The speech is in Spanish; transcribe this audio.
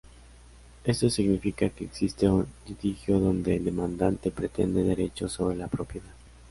Esto significa que existe un litigio donde el demandante pretende derechos sobre la propiedad.